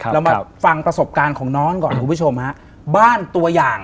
เรามาฟังประสบการณ์ของน้องก่อนคุณผู้ชมฮะบ้านตัวอย่าง